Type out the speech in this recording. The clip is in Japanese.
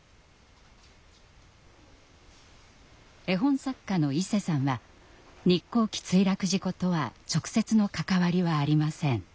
絵本作家のいせさんは日航機墜落事故とは直接の関わりはありません。